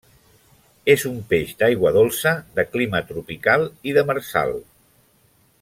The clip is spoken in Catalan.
És un peix d'aigua dolça, de clima tropical i demersal.